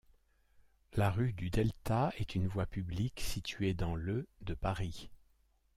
La rue du Delta est une voie publique située dans le de Paris.